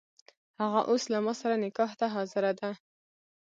هغه اوس له ماسره نکاح ته حاضره ده.